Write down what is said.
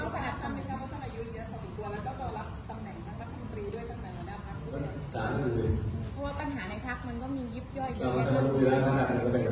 ก็จะปล่อยคนและหลายคนเดียวต่อไปก่อน